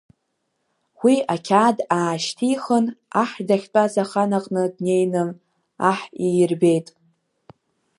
Уи ақьаад аашьҭихын, Аҳ дахьтәаз ахан аҟны днеины, Аҳ иирбеит.